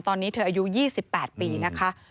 ตอนนี้เธออายุ๒๘ปีนะคะ